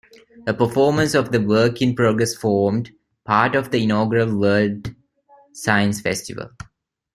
A performance of the work-in-progress formed part of the inaugural World Science Festival.